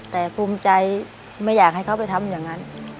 แต่ภูมิใจไม่อยากให้เขาไปทำอย่างนั้น